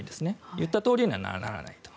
言ったとおりにはならないと。